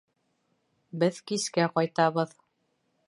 Беҙ кискә ҡайтабыҙ.